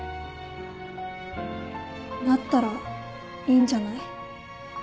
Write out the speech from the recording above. なったらいいんじゃない？